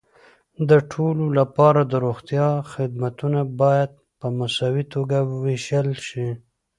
د ټولو لپاره د روغتیا خدمتونه باید په مساوي توګه وېشل شي.